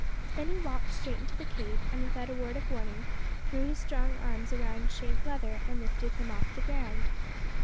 Then he walked straight into the cave, and, without a word of warning, threw his strong arms a round Shank Leather and lifted him off the ground.